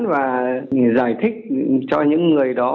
và giải thích cho những người đó